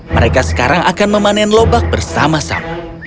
mereka sekarang akan memanen lobak bersama sama